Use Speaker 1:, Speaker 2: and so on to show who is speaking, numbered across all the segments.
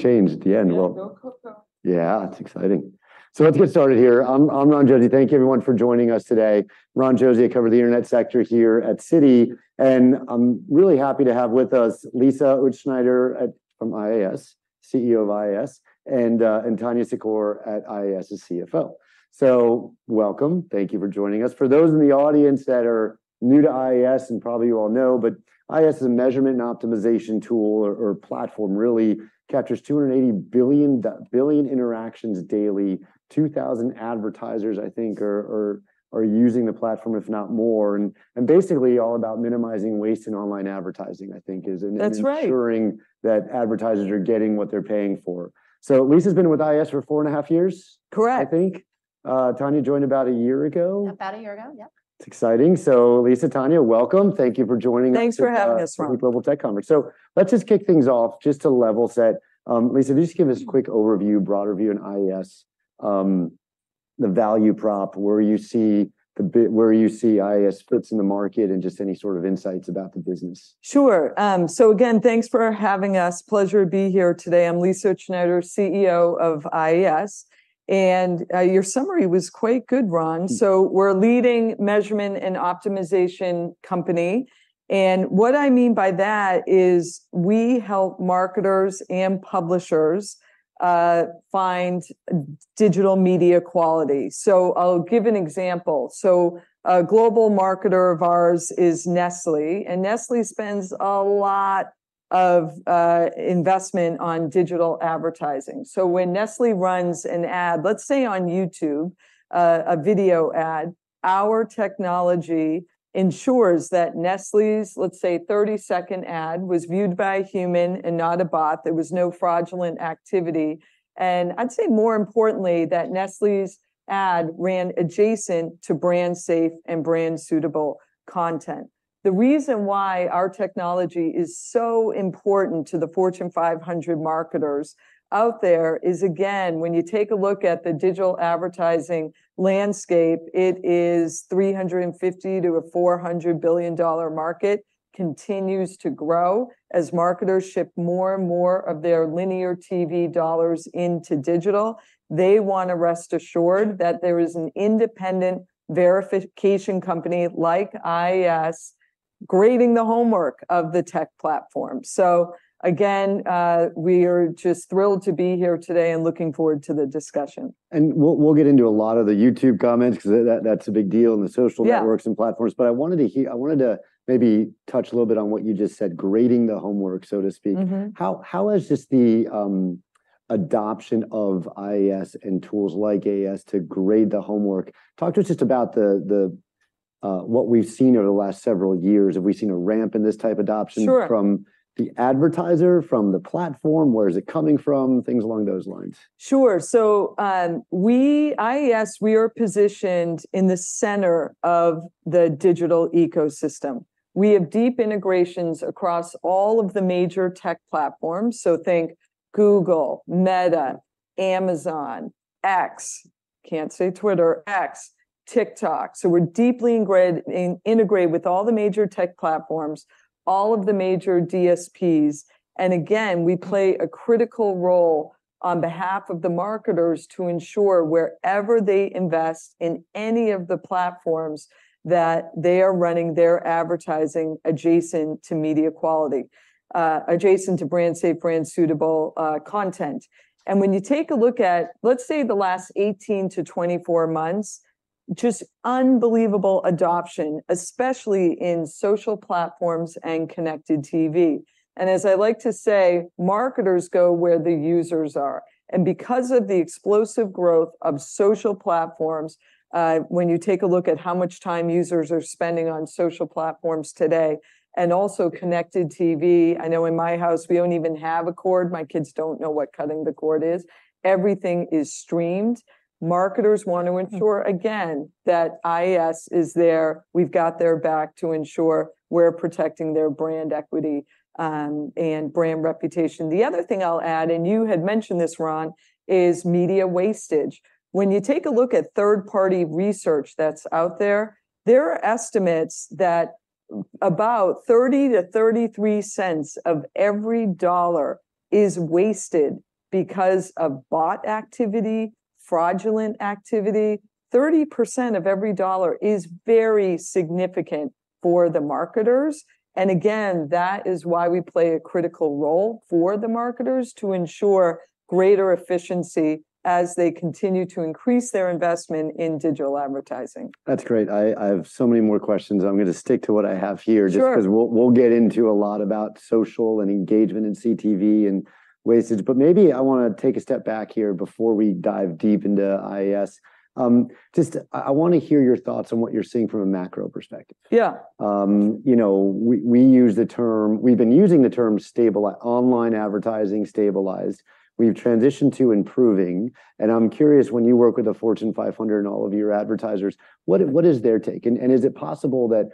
Speaker 1: So let's get started here. I'm Ron Josey. Thank you everyone for joining us today. Ron Josey, I cover the internet sector here at Citi, and I'm really happy to have with us Lisa Utzschneider from IAS, CEO of IAS, and Tania Secor, IAS's CFO. So welcome, thank you for joining us. For those in the audience that are new to IAS, and probably you all know, but IAS is a measurement and optimization tool or platform, really, captures 280 billion interactions daily. 2,000 advertisers, I think, are using the platform, if not more, and basically all about minimizing waste in online advertising, I think is-
Speaker 2: That's right
Speaker 1: -ensuring that advertisers are getting what they're paying for. So Lisa's been with IAS for four and a half years?
Speaker 2: Correct.
Speaker 1: I think. Tania joined about a year ago?
Speaker 3: About a year ago, yep.
Speaker 1: It's exciting. So Lisa, Tania, welcome. Thank you for joining us in this-
Speaker 2: Thanks for having us, Ron.
Speaker 1: Global Tech Conference. So let's just kick things off just to level set. Lisa, if you just give us a quick overview, broad overview on IAS, the value prop, where you see IAS fits in the market, and just any sort of insights about the business.
Speaker 2: Sure, so again, thanks for having us. Pleasure to be here today. I'm Lisa Utzschneider, CEO of IAS, and, your summary was quite good, Ron.
Speaker 1: Thank you.
Speaker 2: So we're a leading measurement and optimization company, and what I mean by that is we help marketers and publishers find digital media quality. So I'll give an example. So a global marketer of ours is Nestlé, and Nestlé spends a lot of investment on digital advertising. So when Nestlé runs an ad, let's say on YouTube, a video ad, our technology ensures that Nestlé's, let's say, 30-second ad was viewed by a human and not a bot. There was no fraudulent activity, and I'd say more importantly, that Nestlé's ad ran adjacent to brand safe and brand suitable content. The reason why our technology is so important to the Fortune 500 marketers out there is, again, when you take a look at the digital advertising landscape, it is a $350 bilion-$400 billion market, continues to grow. As marketers ship more and more of their linear TV dollars into digital, they wanna rest assured that there is an independent verification company like IAS grading the homework of the tech platform. So again, we are just thrilled to be here today and looking forward to the discussion.
Speaker 1: We'll get into a lot of the YouTube comments, 'cause that's a big deal in the social networks and platforms. But I wanted to maybe touch a little bit on what you just said, grading the homework, so to speak. How has just the adoption of IAS and tools like IAS to grade the homework? Talk to us just about what we've seen over the last several years. Have we seen a ramp in this type of adoption from the advertiser, from the platform? Where is it coming from? Things along those lines.
Speaker 2: Sure. So, IAS, we are positioned in the center of the digital ecosystem. We have deep integrations across all of the major tech platforms, so think Google, Meta, Amazon, X, can't say Twitter, X, TikTok. So we're deeply integrated with all the major tech platforms, all of the major DSPs, and again, we play a critical role on behalf of the marketers to ensure wherever they invest in any of the platforms, that they are running their advertising adjacent to media quality, adjacent to brand safe, brand suitable, content. And when you take a look at, let's say, the last 18-24 months, just unbelievable adoption, especially in social platforms and connected TV. As I like to say, marketers go where the users are, and because of the explosive growth of social platforms, when you take a look at how much time users are spending on social platforms today, and also connected TV. I know in my house we don't even have a cord. My kids don't know what cutting the cord is. Everything is streamed. Marketers want to ensure, again, that IAS is there. We've got their back to ensure we're protecting their brand equity, and brand reputation. The other thing I'll add, and you had mentioned this, Ron, is media wastage. When you take a look at third-party research that's out there, there are estimates that about $0.30-$0.33 of every dollar is wasted because of bot activity, fraudulent activity. 30% of every dollar is very significant for the marketers, and again, that is why we play a critical role for the marketers, to ensure greater efficiency as they continue to increase their investment in digital advertising.
Speaker 1: That's great. I have so many more questions. I'm gonna stick to what I have here just 'cause we'll get into a lot about social and engagement in CTV and wastage, but maybe I wanna take a step back here before we dive deep into IAS. Just, I wanna hear your thoughts on what you're seeing from a macro perspective.
Speaker 2: Yeah.
Speaker 1: You know, we've been using the term stabilized. Online advertising stabilized. We've transitioned to improving, and I'm curious, when you work with the Fortune 500 and all of your advertisers, what is their take? And is it possible, you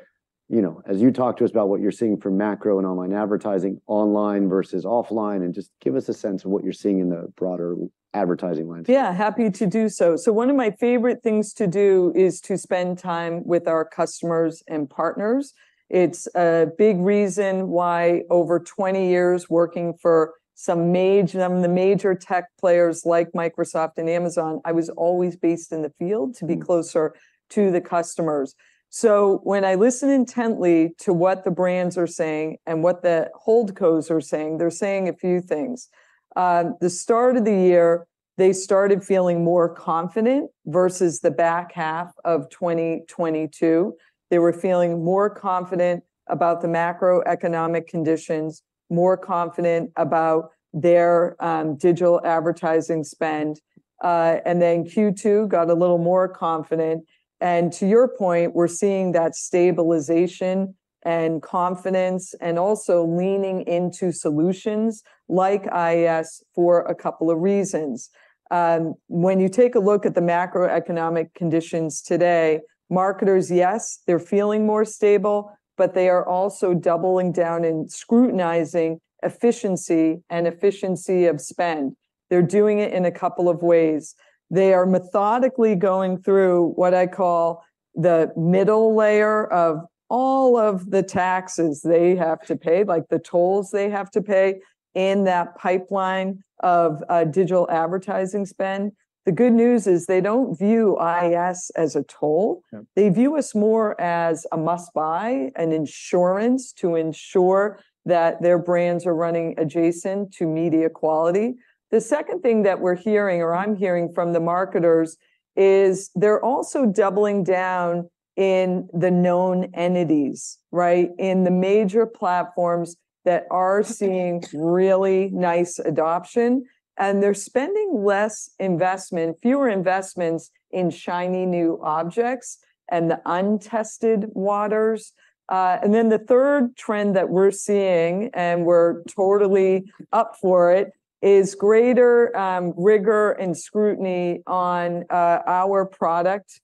Speaker 1: know, as you talk to us about what you're seeing from macro and online advertising, online versus offline, and just give us a sense of what you're seeing in the broader advertising landscape.
Speaker 2: Yeah, happy to do so. So one of my favorite things to do is to spend time with our customers and partners. It's a big reason why over 20 years working for some major- the major tech players, like Microsoft and Amazon, I was always based in the field to be closer to the customers. So when I listen intently to what the brands are saying and what the holdcos are saying, they're saying a few things. The start of the year, they started feeling more confident versus the back half of 2022. They were feeling more confident about the macroeconomic conditions, more confident about their digital advertising spend, and then Q2 got a little more confident. And to your point, we're seeing that stabilization and confidence, and also leaning into solutions like IAS for a couple of reasons. When you take a look at the macroeconomic conditions today, marketers, yes, they're feeling more stable, but they are also doubling down and scrutinizing efficiency and efficiency of spend. They're doing it in a couple of ways. They are methodically going through what I call the middle layer of all of the taxes they have to pay, like the tolls they have to pay in that pipeline of digital advertising spend. The good news is they don't view IAS as a toll.
Speaker 1: Yeah.
Speaker 2: They view us more as a must-buy and insurance to ensure that their brands are running adjacent to media quality. The second thing that we're hearing, or I'm hearing from the marketers, is they're also doubling down in the known entities, right? In the major platforms that are seeing really nice adoption, and they're spending less investment, fewer investments in shiny, new objects and the untested waters. And then the third trend that we're seeing, and we're totally up for it, is greater rigor and scrutiny on our product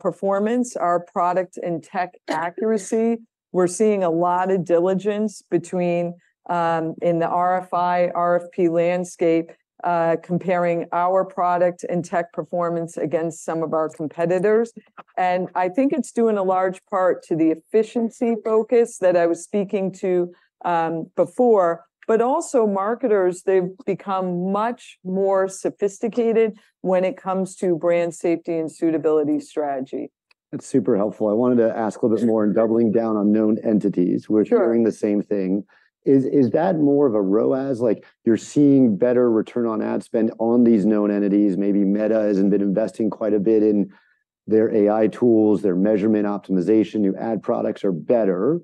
Speaker 2: performance, our product and tech accuracy. We're seeing a lot of diligence in the RFI, RFP landscape, comparing our product and tech performance against some of our competitors. I think it's due in a large part to the efficiency focus that I was speaking to before. But also marketers, they've become much more sophisticated when it comes to brand safety and suitability strategy.
Speaker 1: That's super helpful. I wanted to ask a little bit more in doubling down on known entities.
Speaker 2: Sure.
Speaker 1: We're hearing the same thing. Is that more of a ROAS? Like, you're seeing better return on ad spend on these known entities. Maybe Meta has been investing quite a bit in their AI tools, their measurement optimization, new ad products are better.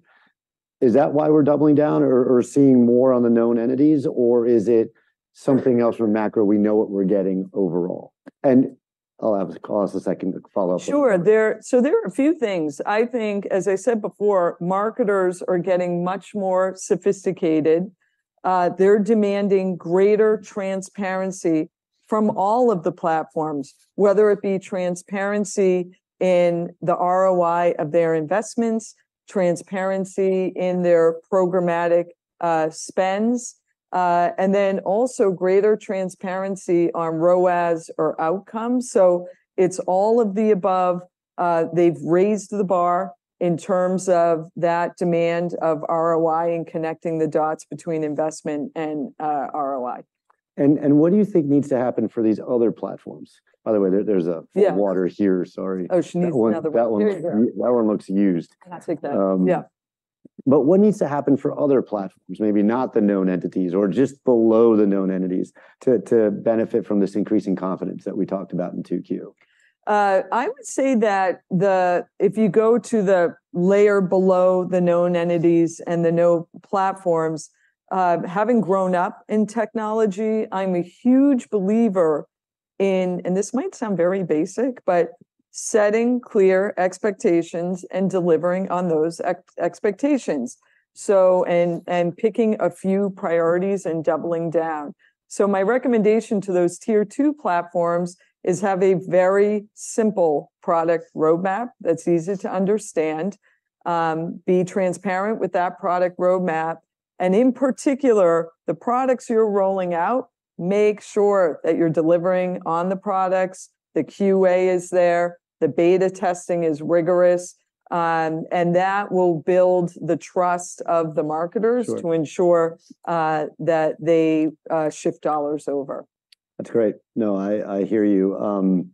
Speaker 1: Is that why we're doubling down or seeing more on the known entities, or is it something else from macro, we know what we're getting overall? I'll have to pause a second to follow up.
Speaker 2: Sure. So there are a few things. I think, as I said before, marketers are getting much more sophisticated. They're demanding greater transparency from all of the platforms, whether it be transparency in the ROI of their investments, transparency in their programmatic spends, and then also greater transparency on ROAS or outcomes. So it's all of the above. They've raised the bar in terms of that demand of ROI and connecting the dots between investment and ROI.
Speaker 1: What do you think needs to happen for these other platforms? By the way, there's water here, sorry.
Speaker 2: Oh, she needs another one. There you go.
Speaker 1: That one looks used.
Speaker 2: I can take that. Yeah.
Speaker 1: But what needs to happen for other platforms, maybe not the known entities or just below the known entities, to benefit from this increasing confidence that we talked about in Q2?
Speaker 2: I would say that the, if you go to the layer below the known entities and the known platforms, having grown up in technology, I'm a huge believer in, and this might sound very basic, but setting clear expectations and delivering on those expectations, and picking a few priorities and doubling down. So my recommendation to those Tier 2 platforms is have a very simple product roadmap that's easy to understand, be transparent with that product roadmap, and in particular, the products you're rolling out, make sure that you're delivering on the products, the QA is there, the beta testing is rigorous. And that will build the trust of the marketers to ensure that they shift dollars over.
Speaker 1: That's great. No, I hear you.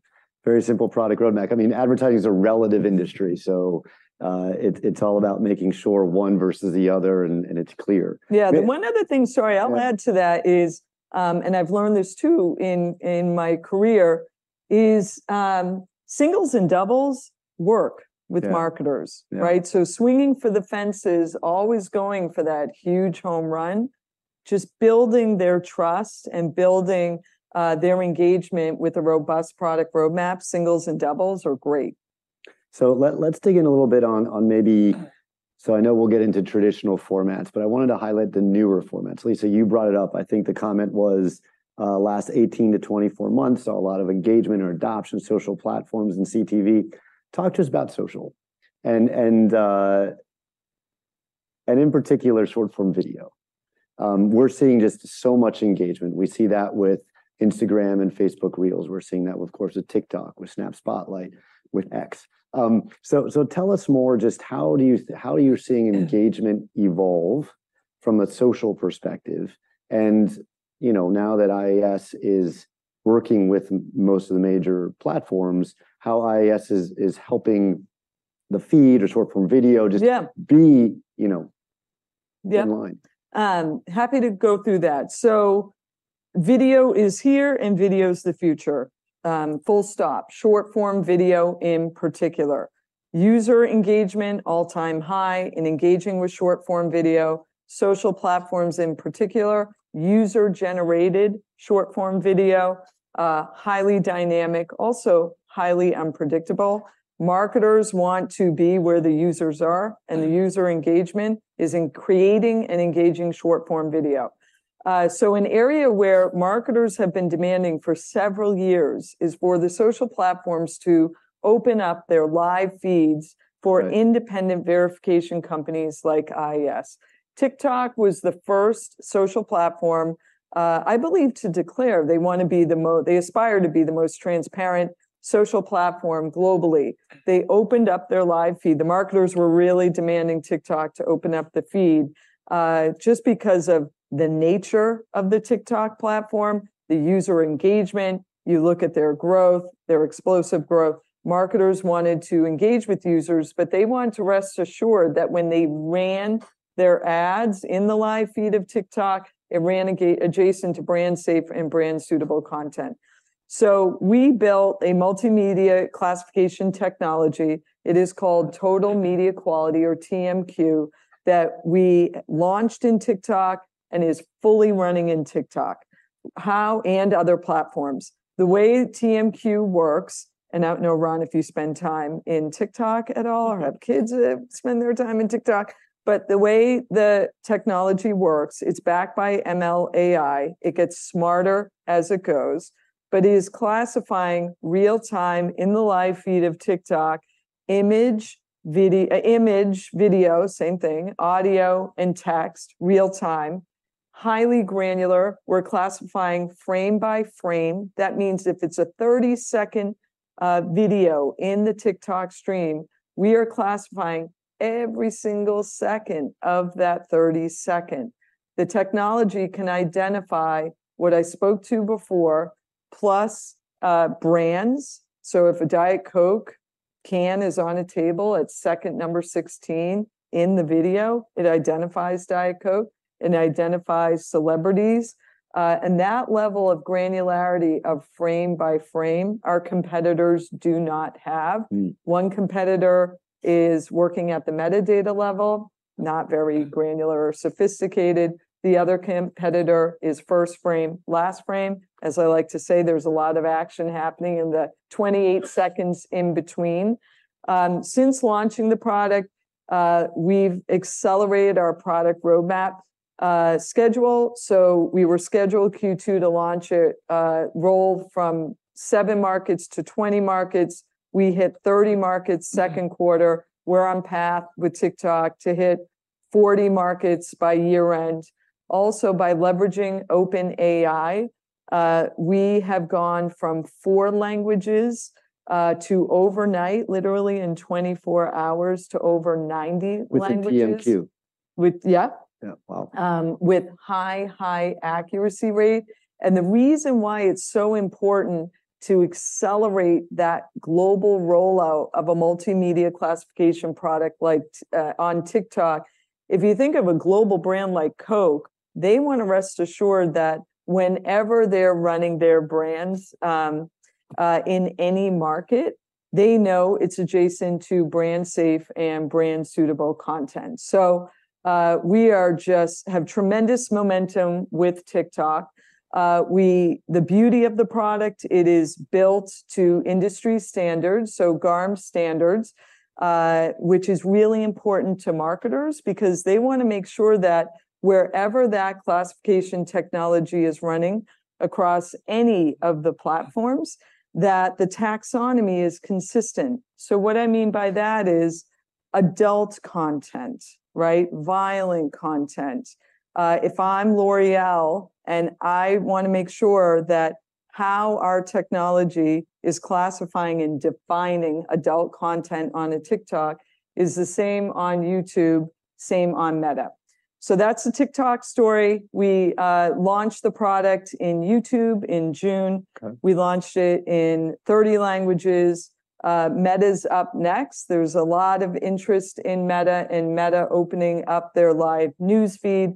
Speaker 1: Very simple product roadmap. I mean, advertising is a relative industry, so, it's all about making sure one versus the other, and it's clear.
Speaker 2: Yeah. The one other thing, sorry, I'll add to that is, and I've learned this too, in my career, is singles and doubles work with marketers.
Speaker 1: Yeah.
Speaker 2: Right? So swinging for the fences, always going for that huge home run, just building their trust and building their engagement with a robust product roadmap, singles and doubles are great.
Speaker 1: So, let's dig in a little bit on maybe... So I know we'll get into traditional formats, but I wanted to highlight the newer formats. Lisa, you brought it up. I think the comment was last 18-24 months, saw a lot of engagement or adoption, social platforms, and CTV. Talk to us about social and in particular, short-form video. We're seeing just so much engagement. We see that with Instagram and Facebook Reels. We're seeing that with, of course, with TikTok, with Snap Spotlight, with X. So, tell us more, just how are you seeing engagement evolve from a social perspective? And, you know, now that IAS is working with most of the major platforms, how IAS is helping the feed or short-form video, just, you know, online.
Speaker 2: Yeah. Happy to go through that. So video is here, and video is the future, full stop. Short-form video in particular. User engagement, all-time high in engaging with short-form video, social platforms in particular, user-generated short-form video, highly dynamic, also highly unpredictable. Marketers want to be where the users are, and the user engagement is in creating and engaging short-form video. So an area where marketers have been demanding for several years is for the social platforms to open up their live feeds for independent verification companies like IAS. TikTok was the first social platform, I believe, to declare they want to be the most transparent social platform globally. They opened up their live feed. The marketers were really demanding TikTok to open up the feed. Just because of the nature of the TikTok platform, the user engagement, you look at their growth, their explosive growth. Marketers wanted to engage with users, but they wanted to rest assured that when they ran their ads in the live feed of TikTok, it ran adjacent to brand-safe and brand-suitable content. So we built a multimedia classification technology, it is called Total Media Quality, or TMQ, that we launched in TikTok and is fully running in TikTok and other platforms. The way TMQ works, and I know, Ron, if you spend time in TikTok at all or have kids that spend their time in TikTok, but the way the technology works, it's backed by ML/AI. It gets smarter as it goes, but it is classifying real-time, in the live feed of TikTok, image, video, same thing, audio, and text, real-time, highly granular. We're classifying frame by frame. That means if it's a 30-second video in the TikTok stream, we are classifying every single second of that 30 second. The technology can identify what I spoke to before, plus brands. So if a Diet Coke can is on a table at second number 16 in the video, it identifies Diet Coke. It identifies celebrities. And that level of granularity of frame by frame, our competitors do not have. One competitor is working at the metadata level, not very granular or sophisticated. The other competitor is first frame, last frame. As I like to say, there's a lot of action happening in the 28 seconds in between. Since launching the product, we've accelerated our product roadmap, schedule. So we were scheduled Q2 to launch it, roll from seven markets to 20 markets. We hit 30 markets second quarter. We're on path with TikTok to hit 40 markets by year-end. Also, by leveraging OpenAI, we have gone from four languages, to overnight, literally in 24 hours, to over 90 languages.
Speaker 1: With the TMQ?
Speaker 2: Yeah.
Speaker 1: Wow.
Speaker 2: With high, high accuracy rate. The reason why it's so important to accelerate that global rollout of a multimedia classification product like on TikTok if you think of a global brand like Coke, they want to rest assured that whenever they're running their brands in any market, they know it's adjacent to brand-safe and brand-suitable content. So we are just- have tremendous momentum with TikTok. The beauty of the product it is built to industry standards, so GARM standards, which is really important to marketers because they want to make sure that wherever that classification technology is running across any of the platforms, that the taxonomy is consistent. So what I mean by that is adult content, right? Violent content. If I'm L'Oréal, and I want to make sure that how our technology is classifying and defining adult content on a TikTok is the same on YouTube, same on Meta. So that's the TikTok story. We launched the product in YouTube in June.
Speaker 1: Okay.
Speaker 2: We launched it in 30 languages. Meta's up next. There's a lot of interest in Meta, and Meta opening up their live news feed.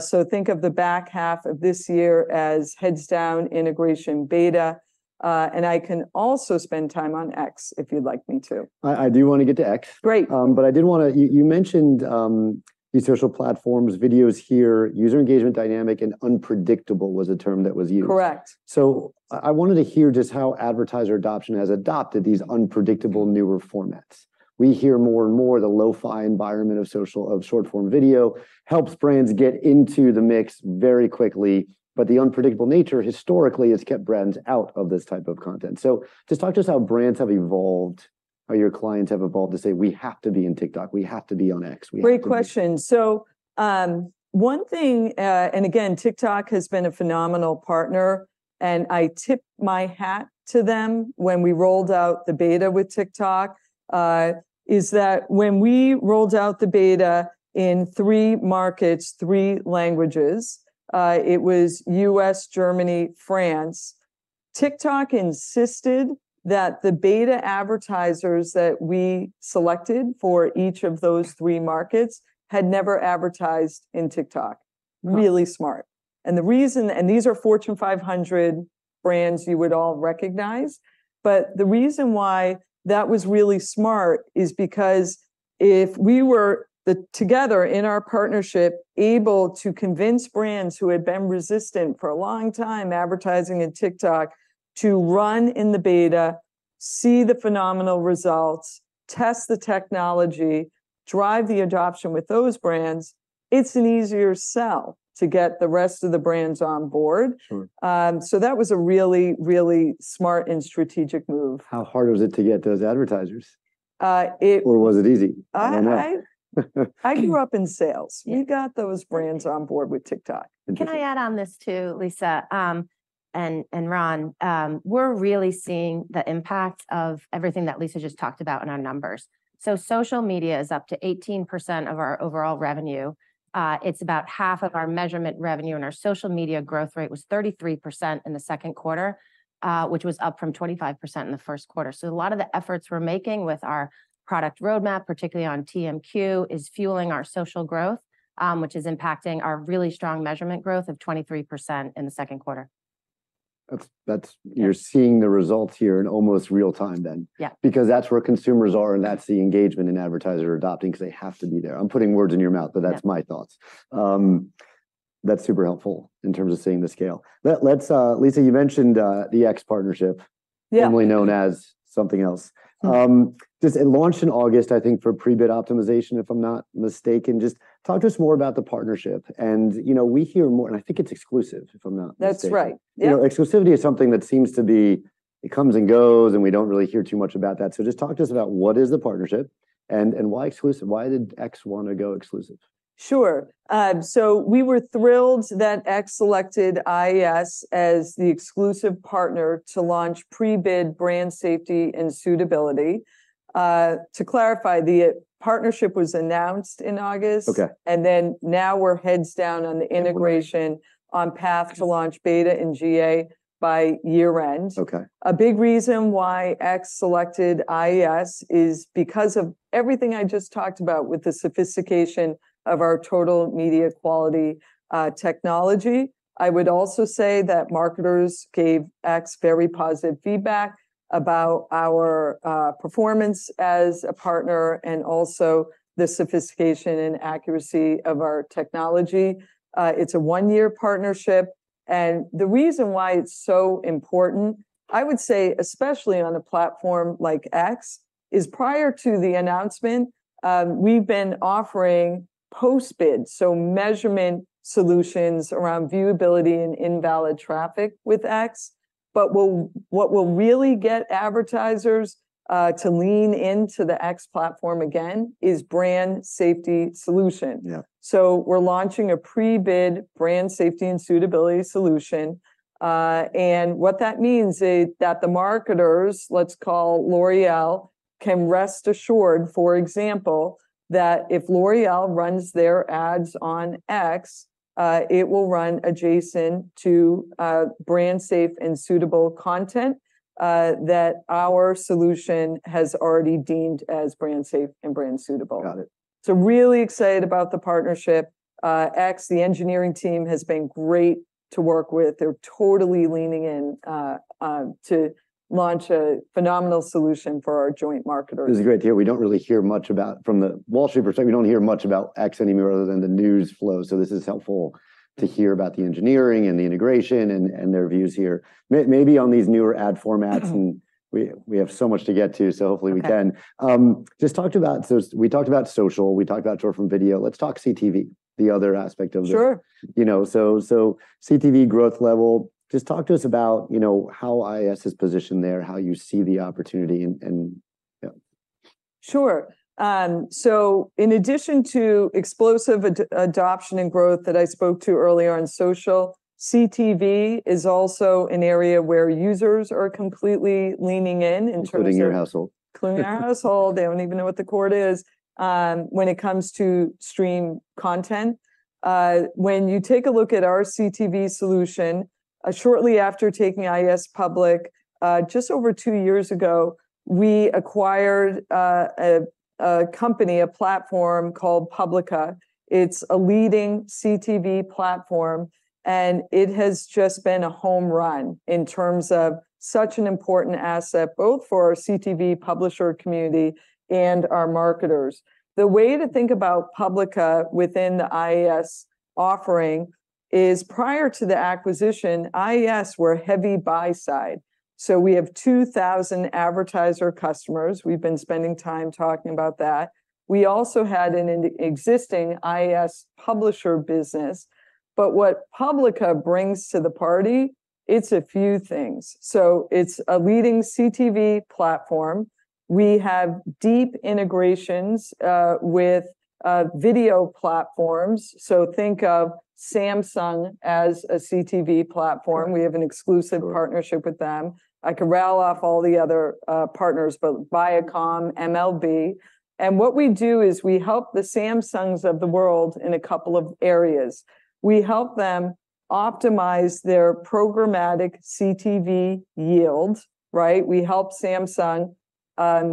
Speaker 2: So think of the back half of this year as heads-down, integration beta. And I can also spend time on X if you'd like me to.
Speaker 1: I do want to get to X.
Speaker 2: Great.
Speaker 1: But I did want to... You mentioned these social platforms, video's here, user engagement dynamic, and unpredictable was a term that was used.
Speaker 2: Correct.
Speaker 1: So I wanted to hear just how advertiser adoption has adopted these unpredictable newer formats. We hear more and more the lo-fi environment of social, of short-form video, helps brands get into the mix very quickly. But the unpredictable nature, historically, has kept brands out of this type of content. So just talk to us how brands have evolved. Are your clients have evolved to say, "We have to be in TikTok, we have to be on X, we have to be-
Speaker 2: Great question. So, one thing, and again, TikTok has been a phenomenal partner, and I tip my hat to them. When we rolled out the beta with TikTok, in three markets, three languages, it was US, Germany, France, TikTok insisted that the beta advertisers that we selected for each of those three markets had never advertised in TikTok. Really smart. And the reason... And these are Fortune 500 brands you would all recognize. But the reason why that was really smart is because if we were together in our partnership, able to convince brands who had been resistant for a long time advertising in TikTok to run in the beta, see the phenomenal results, test the technology, drive the adoption with those brands, it's an easier sell to get the rest of the brands on board.
Speaker 1: Sure.
Speaker 2: That was a really, really smart and strategic move.
Speaker 1: How hard was it to get those advertisers? Or was it easy? I don't know.
Speaker 2: I grew up in sales.
Speaker 1: Yeah.
Speaker 2: We got those brands on board with TikTok.
Speaker 3: Can I add on this, too, Lisa, and Ron? We're really seeing the impact of everything that Lisa just talked about in our numbers. So social media is up to 18% of our overall revenue. It's about half of our measurement revenue, and our social media growth rate was 33% in the second quarter, which was up from 25% in the first quarter. So a lot of the efforts we're making with our product roadmap, particularly on TMQ, is fueling our social growth, which is impacting our really strong measurement growth of 23% in the second quarter.
Speaker 1: Yeah. You're seeing the results here in almost real time then?
Speaker 3: Yeah.
Speaker 1: Because that's where consumers are, and that's the engagement and advertiser are adopting, 'cause they have to be there. I'm putting words in your mouth, but that's my thoughts. That's super helpful in terms of seeing the scale. Let's Lisa, you mentioned the X partnership commonly known as something else. Just it launched in August, I think, for pre-bid optimization, if I'm not mistaken. Just talk to us more about the partnership, and, you know, we hear more and I think it's exclusive, if I'm not mistaken.
Speaker 2: That's right, yeah.
Speaker 1: You know, exclusivity is something that seems to be, it comes and goes, and we don't really hear too much about that. So just talk to us about what is the partnership and why did X want to go exclusive?
Speaker 2: Sure. So we were thrilled that X selected IAS as the exclusive partner to launch pre-bid brand safety and suitability. To clarify, the partnership was announced in August and then now we're heads down on the integration integrate on path to launch beta and GA by year-end.
Speaker 1: Okay.
Speaker 2: A big reason why X selected IAS is because of everything I just talked about, with the sophistication of our Total Media Quality technology. I would also say that marketers gave X very positive feedback about our performance as a partner, and also the sophistication and accuracy of our technology. It's a one-year partnership, and the reason why it's so important, I would say, especially on a platform like X, is prior to the announcement, we've been offering post-bid, so measurement solutions around viewability and invalid traffic with X. But what will really get advertisers to lean into the X platform again is brand safety solution.
Speaker 1: Yeah.
Speaker 2: So we're launching a pre-bid brand safety and suitability solution. And what that means is that the marketers, let's call L'Oréal, can rest assured, for example, that if L'Oréal runs their ads on X, it will run adjacent to brand-safe and suitable content that our solution has already deemed as brand-safe and brand-suitable.
Speaker 1: Got it.
Speaker 2: Really excited about the partnership. X, the engineering team has been great to work with. They're totally leaning in, to launch a phenomenal solution for our joint marketers.
Speaker 1: This is a great deal. We don't really hear much about from the Wall Street perspective, we don't hear much about X anymore other than the news flow. So this is helpful to hear about the engineering and the integration and their views here. Maybe on these newer ad formats and we have so much to get to, so hopefully we can.
Speaker 2: Okay.
Speaker 1: Just to talk about, so we talked about social, we talked about short-form video. Let's talk CTV, the other aspect of the, you know. So, CTV growth level, just talk to us about, you know, how IAS is positioned there, how you see the opportunity, and yeah.
Speaker 2: Sure. So in addition to explosive ad adoption and growth that I spoke to earlier on social, CTV is also an area where users are completely leaning in, in terms of-
Speaker 1: Including your household.
Speaker 2: Including my household. They don't even know what the cord is, when it comes to streaming content. When you take a look at our CTV solution, shortly after taking IAS public, just over two years ago, we acquired a company, a platform called Publica. It's a leading CTV platform, and it has just been a home run in terms of such an important asset, both for our CTV publisher community and our marketers. The way to think about Publica within the IAS offering is, prior to the acquisition, IAS were heavy buy-side. So we have 2,000 advertiser customers. We've been spending time talking about that. We also had an existing IAS publisher business, but what Publica brings to the party, it's a few things. So it's a leading CTV platform. We have deep integrations with video platforms, so think of Samsung as a CTV platform. We have an exclusive partnership with them. I could rattle off all the other partners, but Viacom, MLB. And what we do is we help the Samsungs of the world in a couple of areas. We help them optimize their programmatic CTV yield, right? We help Samsung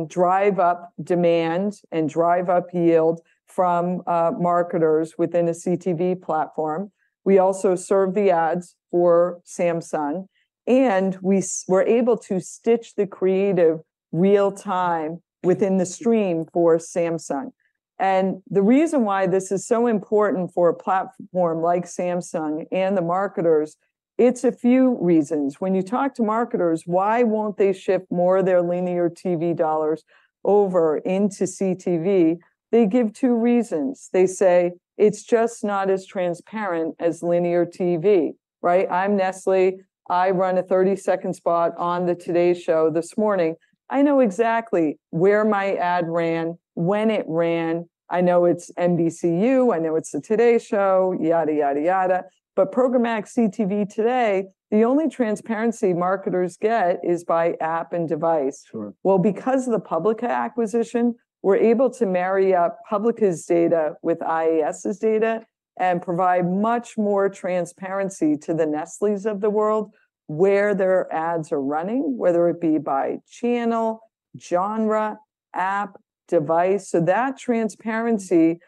Speaker 2: drive up demand and drive up yield from marketers within a CTV platform. We also serve the ads for Samsung, and we're able to stitch the creative real time within the stream for Samsung. And the reason why this is so important for a platform like Samsung and the marketers, it's a few reasons. When you talk to marketers, why won't they shift more of their linear TV dollars over into CTV? They give two reasons. They say, "It's just not as transparent as linear TV," right? "I'm Nestlé. I run a 30-second spot on the Today Show this morning. I know exactly where my ad ran, when it ran. I know it's NBCU. I know it's the Today Show," yada, yada, yada. But programmatic CTV today, the only transparency marketers get is by app and device.
Speaker 1: Sure.
Speaker 2: Well, because of the Publica acquisition, we're able to marry up Publica's data with IAS's data and provide much more transparency to the Nestlés of the world, where their ads are running, whether it be by channel, genre, app, device. So, that transparency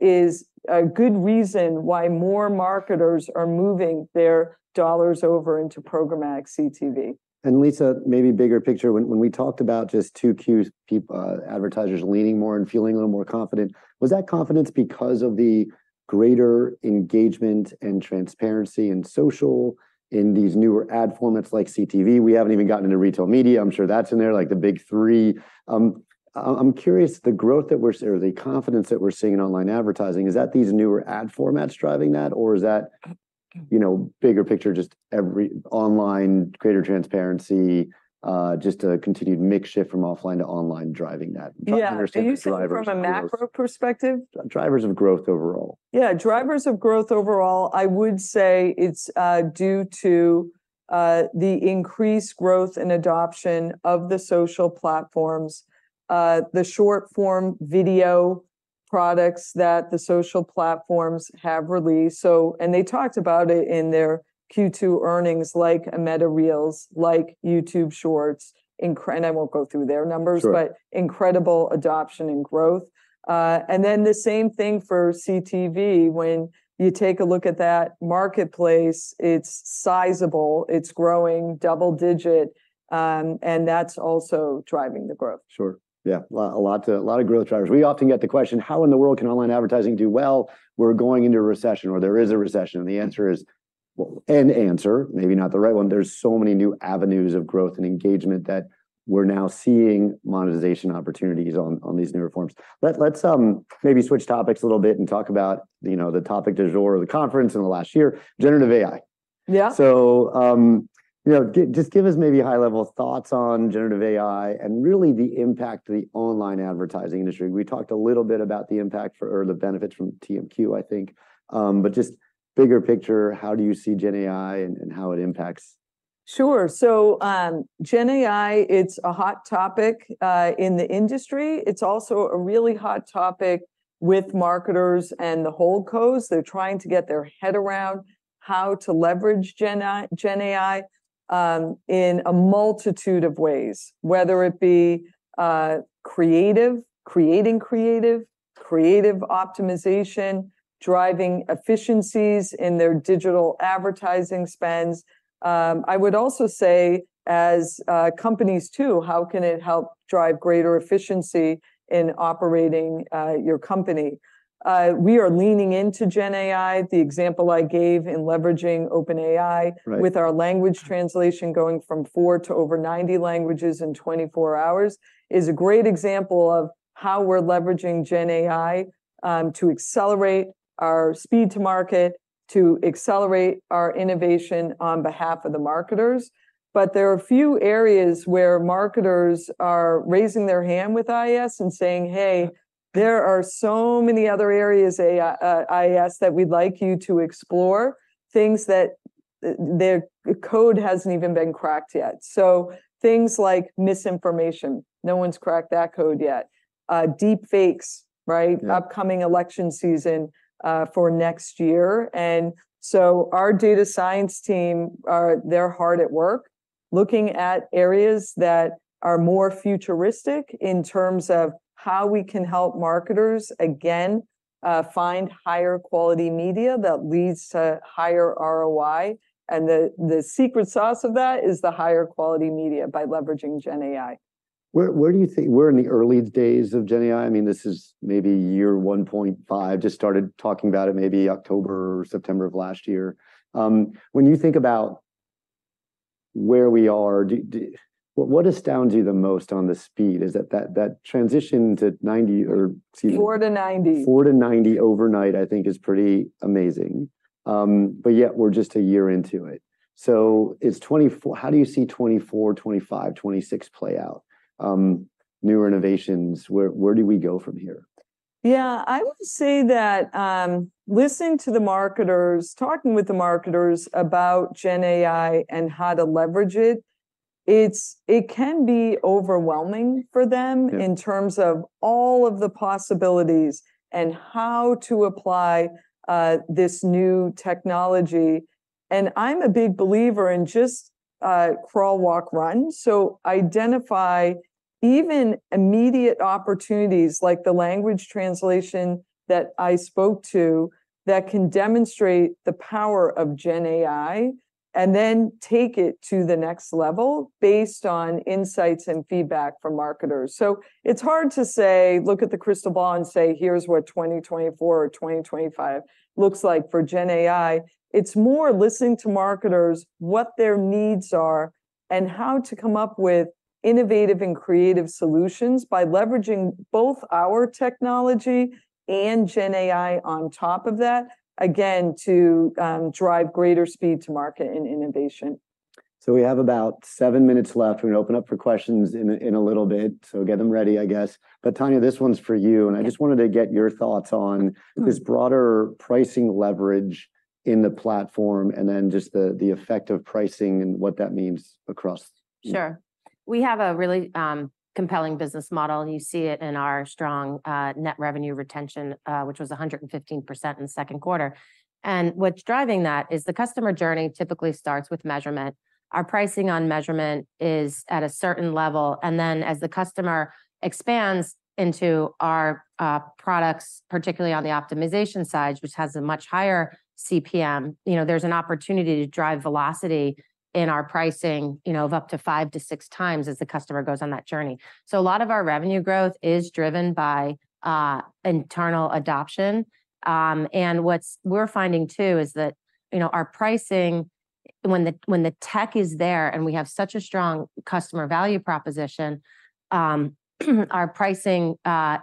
Speaker 2: is a good reason why more marketers are moving their dollars over into programmatic CTV.
Speaker 1: And Lisa, maybe bigger picture, when we talked about just 2Qs ago advertisers leaning more and feeling a little more confident, was that confidence because of the greater engagement and transparency in social, in these newer ad formats like CTV? We haven't even gotten into retail media. I'm sure that's in there, like the big three. I'm curious, the growth that we're or the confidence that we're seeing in online advertising, is that these newer ad formats driving that, or is that, you know, bigger picture, just every online, greater transparency, just a continued mix shift from offline to online driving that?
Speaker 2: Yeah.
Speaker 1: Try to understand the drivers-
Speaker 2: Are you saying from a macro perspective?
Speaker 1: Drivers of growth overall.
Speaker 2: Yeah, drivers of growth overall, I would say it's due to the increased growth and adoption of the social platforms, the short-form video products that the social platforms have released. And they talked about it in their Q2 earnings, like Meta Reels, like YouTube Shorts, and I won't go through their numbers, but incredible adoption and growth. And then the same thing for CTV. When you take a look at that marketplace, it's sizable, it's growing double-digit, and that's also driving the growth.
Speaker 1: Sure, yeah. A lot of growth drivers. We often get the question: "How in the world can online advertising do well? We're going into a recession, or there is a recession." And the answer is, well, an answer, maybe not the right one, there's so many new avenues of growth and engagement that we're now seeing monetization opportunities on these newer forms. Let's maybe switch topics a little bit and talk about, you know, the topic du jour of the conference in the last year, generative AI.
Speaker 2: Yeah.
Speaker 1: So, you know, just give us maybe high-level thoughts on generative AI and really the impact to the online advertising industry. We talked a little bit about the impact for or the benefits from TMQ, I think, but just bigger picture, how do you see GenAI and, and how it impacts?
Speaker 2: Sure. So, GenAI, it's a hot topic in the industry. It's also a really hot topic with marketers and the holdcos. They're trying to get their head around how to leverage GenAI in a multitude of ways, whether it be creative, creating creative, creative optimization, driving efficiencies in their digital advertising spends. I would also say, as companies too, how can it help drive greater efficiency in operating your company? We are leaning into GenAI. The example I gave in leveraging OpenAI with our language translation going from four to over 90 languages in 24 hours, is a great example of how we're leveraging GenAI to accelerate our speed to market, to accelerate our innovation on behalf of the marketers. But there are a few areas where marketers are raising their hand with IAS and saying, "Hey, there are so many other areas, AI, IAS, that we'd like you to explore," things that their code hasn't even been cracked yet. So things like misinformation, no one's cracked that code yet. Deep fakes, right?
Speaker 1: Yeah.
Speaker 2: Upcoming election season for next year. So our data science team, they're hard at work, looking at areas that are more futuristic in terms of how we can help marketers again find higher-quality media that leads to higher ROI. And the secret sauce of that is the higher-quality media by leveraging GenAI.
Speaker 1: Where do you think we're in the early days of GenAI. I mean, this is maybe year 1.5, just started talking about it maybe October or September of last year. When you think about where we are, what astounds you the most on the speed? Is that transition to 90 or, excuse me-
Speaker 2: Four to 90.
Speaker 1: Four to 90 overnight, I think is pretty amazing. But yet we're just a year into it. So it's 2024. How do you see 2024, 2025, 2026 play out? New innovations, where, where do we go from here?
Speaker 2: Yeah, I would say that, listening to the marketers, talking with the marketers about GenAI and how to leverage it, it can be overwhelming for them in terms of all of the possibilities and how to apply this new technology. And I'm a big believer in just crawl, walk, run. So identify even immediate opportunities, like the language translation that I spoke to, that can demonstrate the power of GenAI, and then take it to the next level based on insights and feedback from marketers. So it's hard to say, look at the crystal ball and say, "Here's what 2024 or 2025 looks like for GenAI." It's more listening to marketers, what their needs are, and how to come up with innovative and creative solutions by leveraging both our technology and GenAI on top of that, again, to drive greater speed to market and innovation.
Speaker 1: We have about seven minutes left. We're gonna open up for questions in a little bit, so get them ready, I guess. But Tania, this one's for you.
Speaker 3: Yeah.
Speaker 1: I just wanted to get your thoughts on this broader pricing leverage in the platform, and then just the effect of pricing and what that means across.
Speaker 3: Sure. We have a really compelling business model, and you see it in our strong net revenue retention, which was 115% in the second quarter. And what's driving that is the customer journey typically starts with measurement. Our pricing on measurement is at a certain level, and then as the customer expands into our products, particularly on the optimization side, which has a much higher CPM, you know, there's an opportunity to drive velocity in our pricing, you know, of up to five to six times as the customer goes on that journey. So a lot of our revenue growth is driven by internal adoption. And what we're finding, too, is that, you know, our pricing when the tech is there and we have such a strong customer value proposition, our pricing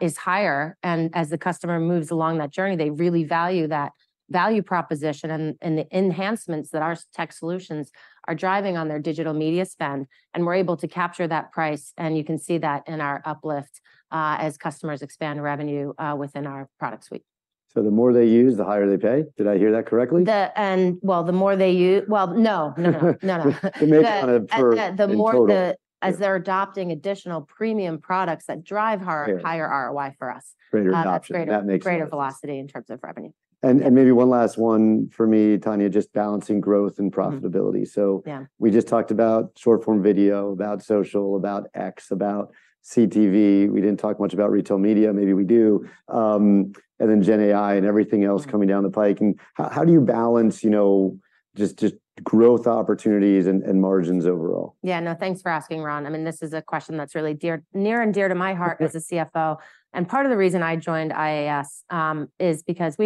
Speaker 3: is higher. As the customer moves along that journey, they really value that value proposition and the enhancements that our tech solutions are driving on their digital media spend, and we're able to capture that price, and you can see that in our uplift as customers expand revenue within our product suite.
Speaker 1: So the more they use, the higher they pay? Did I hear that correctly?
Speaker 3: Well, no. No, no. No, no.
Speaker 1: They make money in total.
Speaker 3: The more the, as they're adopting additional premium products that drive higher ROI for us.
Speaker 1: Greater adoption.
Speaker 3: That's greater velocity in terms of revenue.
Speaker 1: That makes sense. Maybe one last one for me, Tania, just balancing growth and profitability?
Speaker 3: Yeah.
Speaker 1: So we just talked about short-form video, about social, about X, about CTV. We didn't talk much about retail media, maybe we do. And then GenAI and everything else coming down the pike. And how do you balance, you know, just growth opportunities and margins overall?
Speaker 3: Yeah, no, thanks for asking, Ron. I mean, this is a question that's really near and dear to my heart as a CFO. And part of the reason I joined IAS is because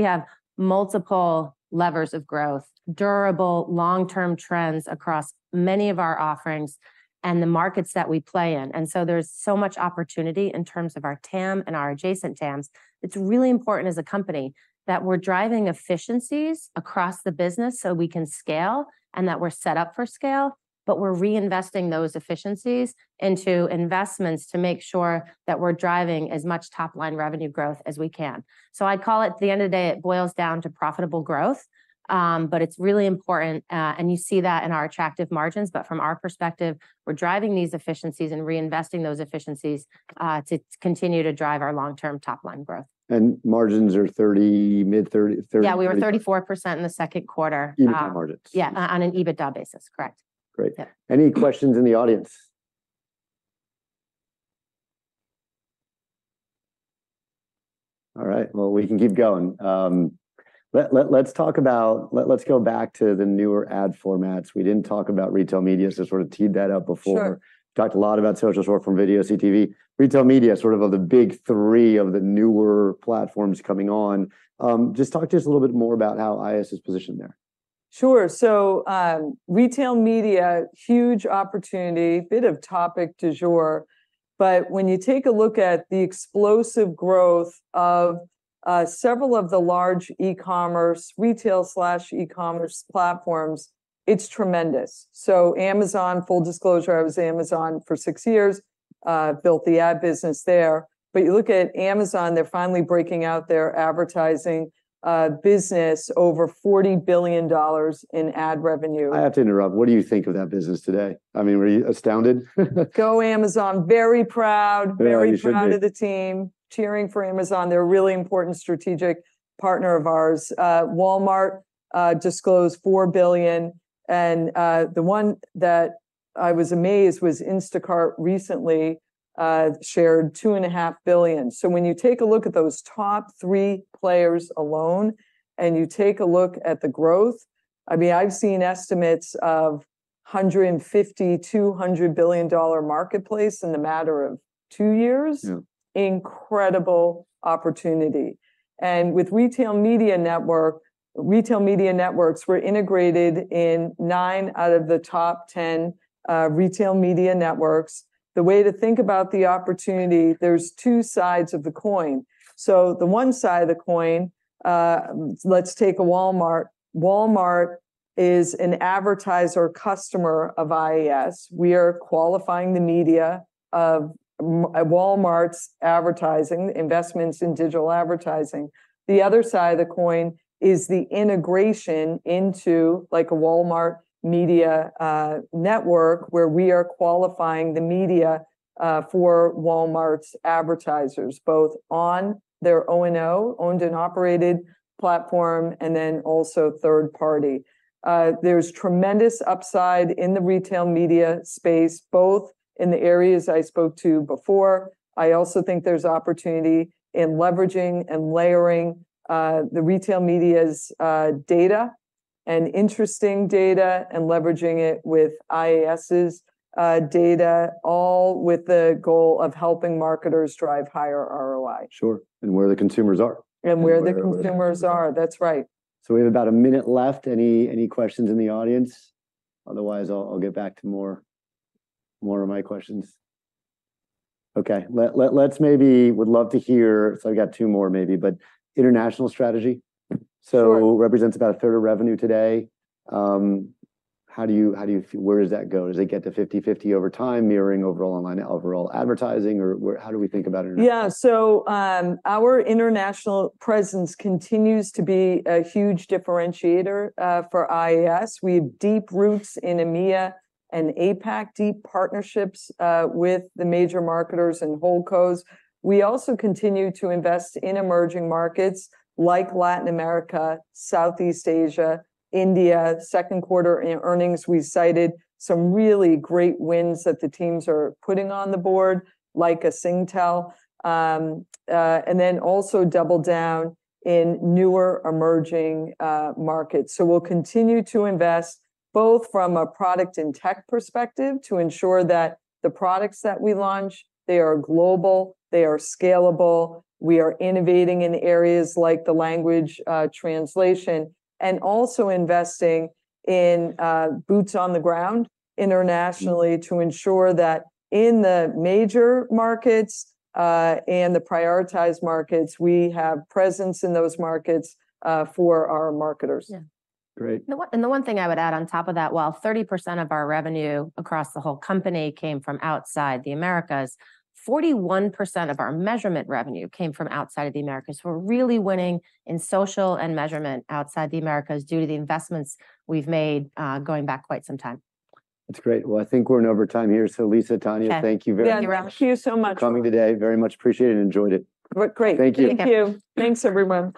Speaker 3: we have multiple levers of growth, durable, long-term trends across many of our offerings and the markets that we play in. And so there's so much opportunity in terms of our TAM and our adjacent TAMs. It's really important as a company that we're driving efficiencies across the business so we can scale, and that we're set up for scale, but we're reinvesting those efficiencies into investments to make sure that we're driving as much top-line revenue growth as we can. So I'd call it, at the end of the day, it boils down to profitable growth. But it's really important, and you see that in our attractive margins. But from our perspective, we're driving these efficiencies and reinvesting those efficiencies to continue to drive our long-term top-line growth.
Speaker 1: Margins are 30%, mid-30%-
Speaker 3: Yeah, we were 34% in the second quarter.
Speaker 1: EBITDA margins.
Speaker 3: Yeah, on an EBITDA basis, correct.
Speaker 1: Great.
Speaker 3: Yeah.
Speaker 1: Any questions in the audience? All right, well, we can keep going. Let's talk about... Let's go back to the newer ad formats. We didn't talk about retail media, so sort of teed that up before.
Speaker 2: Sure.
Speaker 1: Talked a lot about social, short-form video, CTV. Retail media, sort of the big three of the newer platforms coming on. Just talk to us a little bit more about how IAS is positioned there.
Speaker 2: Sure. So, retail media, huge opportunity, bit of topic du jour. But when you take a look at the explosive growth of several of the large e-commerce, retail/e-commerce platforms, it's tremendous. So Amazon, full disclosure, I was Amazon for six years, built the ad business there. But you look at Amazon, they're finally breaking out their advertising business, over $40 billion in ad revenue.
Speaker 1: I have to interrupt. What do you think of that business today? I mean, were you astounded?
Speaker 2: Go Amazon. Very proud.
Speaker 1: Yeah, you should be.
Speaker 2: Very proud of the team, cheering for Amazon. They're a really important strategic partner of ours. Walmart disclosed $4 billion, and the one that I was amazed was Instacart recently shared $2.5 billion. So when you take a look at those top three players alone, and you take a look at the growth, I mean, I've seen estimates of $150 billion-$200 billion marketplace in a matter of two years?
Speaker 1: Yeah.
Speaker 2: Incredible opportunity. With retail media network, retail media networks, we're integrated in nine out of the top 10 retail media networks. The way to think about the opportunity, there's two sides of the coin. The one side of the coin, let's take a Walmart. Walmart is an advertiser customer of IAS. We are qualifying the media of Walmart's advertising investments in digital advertising. The other side of the coin is the integration into, like, a Walmart media network, where we are qualifying the media for Walmart's advertisers, both on their O&O, owned and operated platform, and then also third party. There's tremendous upside in the retail media space, both in the areas I spoke to before. I also think there's opportunity in leveraging and layering the retail media's data and interesting data, and leveraging it with IAS's data, all with the goal of helping marketers drive higher ROI.
Speaker 1: Sure, and where the consumers are.
Speaker 2: Where the consumers are. That's right.
Speaker 1: So we have about a minute left. Any questions in the audience? Otherwise, I'll get back to more of my questions. Okay. Let's maybe... Would love to hear- so I've got two more maybe, but international strategy.
Speaker 2: Sure.
Speaker 1: So represents about a third of revenue today. How do you where does that go? Does it get to 50/50 over time, mirroring overall online, overall advertising, or where, how do we think about it internationally?
Speaker 2: Yeah, so our international presence continues to be a huge differentiator for IAS. We have deep roots in EMEA and APAC, deep partnerships with the major marketers and holdcos. We also continue to invest in emerging markets, like Latin America, Southeast Asia, India. Second quarter in earnings, we cited some really great wins that the teams are putting on the board, like a Singtel, and then also double down in newer emerging markets. So we'll continue to invest, both from a product and tech perspective, to ensure that the products that we launch, they are global, they are scalable, we are innovating in areas like the language translation. And also investing in boots on the ground internationally to ensure that in the major markets, and the prioritized markets, we have presence in those markets, for our marketers.
Speaker 3: Yeah.
Speaker 1: Great.
Speaker 3: And the one thing I would add on top of that, while 30% of our revenue across the whole company came from outside the Americas, 41% of our measurement revenue came from outside of the Americas. We're really winning in social and measurement outside the Americas due to the investments we've made, going back quite some time.
Speaker 1: That's great. Well, I think we're in overtime here, so Lisa, Tania-
Speaker 3: Sure
Speaker 1: Thank you very much.
Speaker 2: Yeah, thank you so much.
Speaker 1: For coming today. Very much appreciate it and enjoyed it.
Speaker 2: Great.
Speaker 1: Thank you.
Speaker 3: Thank you.
Speaker 2: Thank you. Thanks, everyone.